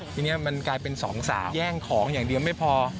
ทีนี้มันกลายเป็น๒๓แย่งของอย่างเดียวไม่พอ